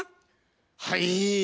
はい。